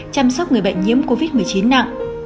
chăm sóc người bệnh nhiễm covid một mươi chín nặng